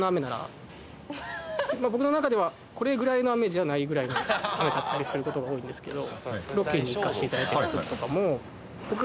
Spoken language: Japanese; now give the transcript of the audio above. まあ僕の中ではこれぐらいの雨じゃないぐらいの雨だったりする事が多いんですけど。